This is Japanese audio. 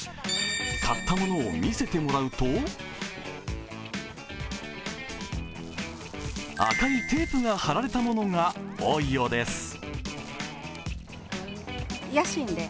買ったものを見せてもらうと赤いテープが貼られたものが多いようです。